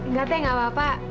nggak teteh gak apa apa